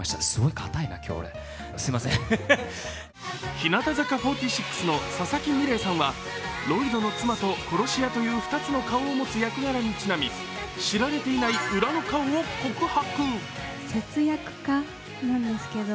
日向坂４６の佐々木美玲さんはロイドの妻と殺し屋という２つの顔を持つ役柄にちなみ知られていない裏の顔を告白。